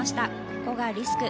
ここがリスク。